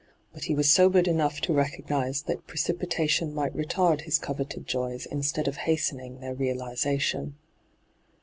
But he was sobered enough to recog nise that precipitation might retard his coveted joys instead of hastening their realization.